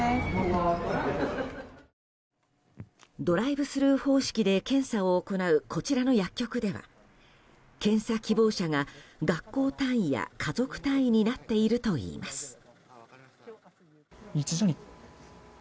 ドライブスルー方式で検査を行うこちらの薬局では検査希望者が学校単位や家族単位になっているといいます。